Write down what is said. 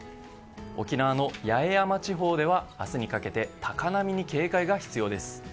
沖縄の八重山地方では明日にかけて高波に警戒が必要です。